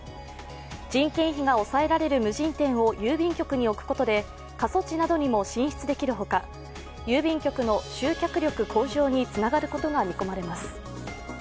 人件費が抑えられる無人店を郵便局に置くことで過疎地などにも進出できるほか郵便局の集客力向上につながることが見込まれます。